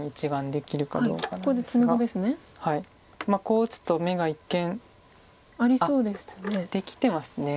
こう打つと眼が一見あっできてますね。